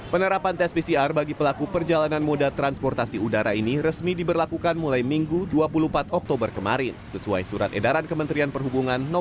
penerapan tes pcr bagi pelaku perjalanan moda transportasi udara ini resmi diberlakukan mulai minggu dua puluh empat oktober kemarin sesuai surat edaran kementerian perhubungan no dua